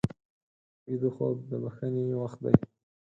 ویده خوب د بښنې وخت دی